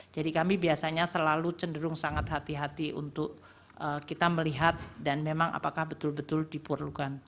jadi kami biasanya selalu cenderung sangat hati hati untuk kita melihat dan memang apakah betul betul diperlukan